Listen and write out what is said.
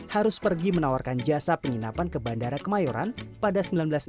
harus pergi menawarkan jasa penginapan ke bandara kemayoran pada seribu sembilan ratus sembilan puluh